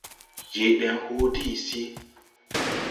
Je deŋ huu ti hisi.